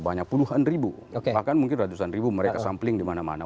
banyak puluhan ribu bahkan mungkin ratusan ribu mereka sampling di mana mana